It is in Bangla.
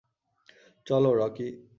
চলো, রকি।